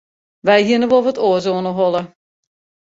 Wy hiene wol wat oars oan 'e holle.